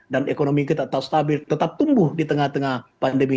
dan ekonomi kita tetap stabil tetap tumbuh di tengah tengah pandemi